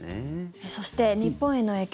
そして日本への影響